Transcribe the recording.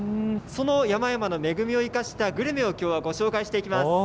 その山々の恵みを生かしたグルメを、きょうはご紹介していきます。